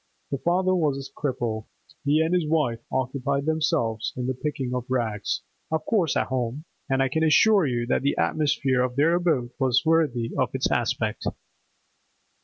The father was a cripple; he and his wife occupied themselves in the picking of rags—of course at home—and I can assure you that the atmosphere of their abode was worthy of its aspect.